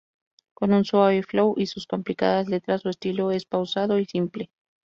Con un suave flow y sus complicadas letras, su estilo es pausado y simple.